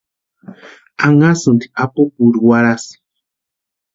Anhasïnti apupueri warhasï.